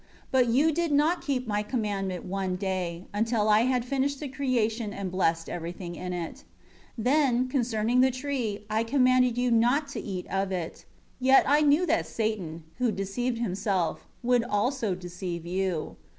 15 But you did not keep My commandment one day; until I had finished the creation and blessed everything in it. 16 Then, concerning the tree, I commanded you not to eat of it. Yet I knew that Satan, who deceived himself, would also deceive you.